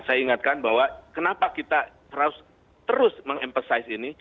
saya ingatkan bahwa kenapa kita harus terus meng emphasize ini